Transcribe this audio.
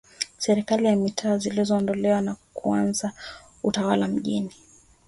Serikali za Mitaa ziliondolewa na kuanza Utawala Mijini